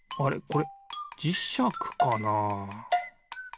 これじしゃくかな？